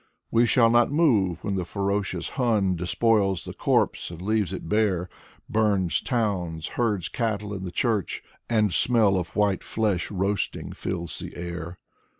We shall not move when the ferocious Hun Despoils the corpse and leaves it bare. Burns towns, herds cattle in the church, And smell of white flesh roasting fills the air.